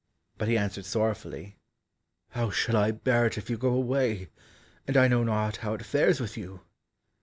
But he answered sorrowfully, "How shall I bear it if you go away, and I know not how it fares with you?"